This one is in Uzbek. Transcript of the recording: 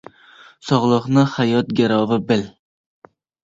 — Sog‘liqni hayot garovi bil.